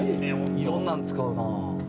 いろんなん使うなあ。